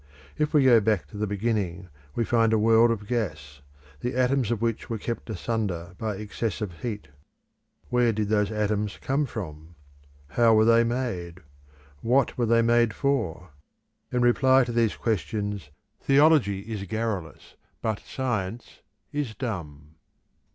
If we go back to the beginning we find a world of gas, the atoms of which were kept asunder by excessive heat. Where did those atoms come from? How were they made? What were they made for? In reply to these questions theology is garrulous, but science is dumb.